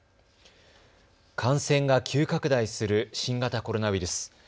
感染が急拡大する新型コロナウイルス。